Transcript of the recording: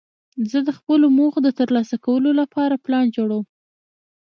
زه د خپلو موخو د ترلاسه کولو له پاره پلان جوړوم.